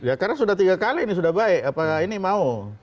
ya karena sudah tiga kali ini sudah baik apakah ini mau